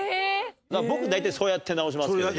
僕大体そうやって直しますけども。